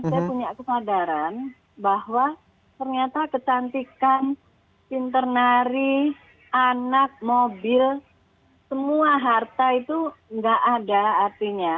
saya punya kesadaran bahwa ternyata kecantikan internari anak mobil semua harta itu nggak ada artinya